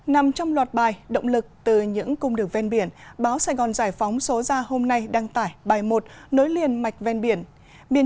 nằm trong loạt bài động lực từ những cung đường ven biển báo sài gòn giải phóng số ra hôm nay đăng tải bài một nối liền mạch ven biển